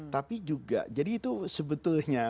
tapi juga jadi itu sebetulnya